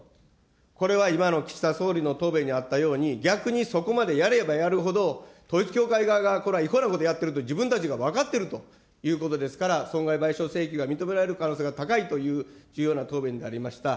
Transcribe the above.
これは今の岸田総理の答弁にあったように、逆にそこまでやればやるほど、統一教会側がこれは違法なことをやっていると、自分たちが分かっているということですから、損害賠償請求が認められる可能性が高いという重要な答弁でありました。